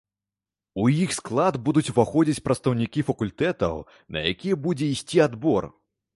У іх склад будуць уваходзіць прадстаўнікі факультэтаў, на якія будзе ісці адбор.